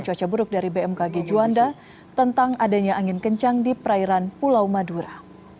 cuaca buruk dari bmkg juanda tentang adanya angin kencang di perairan pulau madura